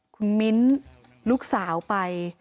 คุณมิ้นลูกสาวไป